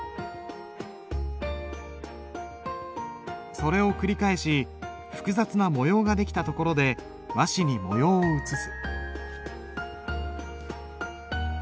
それを繰り返し複雑な模様が出来たところで和紙に模様を写す。